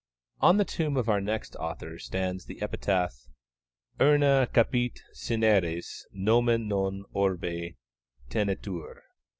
On the tomb of our next author stands the epitaph Urna capit cineres, nomen non orbe tenetur.